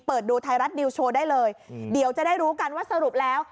เปิดดูไทยรัฐนิวโชว์ได้เลยเดี๋ยวจะได้รู้กันว่าสรุปแล้ว